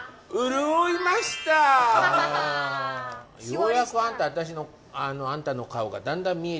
ようやくあんたあんたの顔がだんだん見えてきた